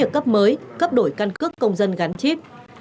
cấp mới cấp đổi căn cước công dân gắn chip